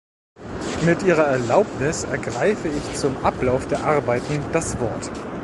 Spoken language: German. Mit Ihrer Erlaubnis ergreife ich zum Ablauf der Arbeiten das Wort.